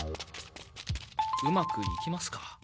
うまくいきますか？